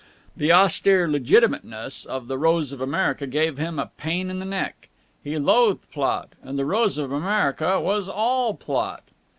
The austere legitimateness of "The Rose of America" gave him a pain in the neck. He loathed plot, and "The Rose of America" was all plot.